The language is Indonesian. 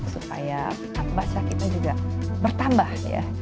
supaya baca kita juga bertambah ya